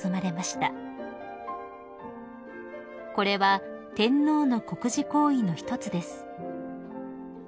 ［これは天皇の国事行為の一つです］